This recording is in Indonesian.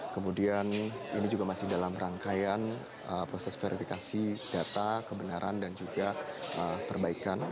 kemudian ini juga masih dalam rangkaian proses verifikasi data kebenaran dan juga perbaikan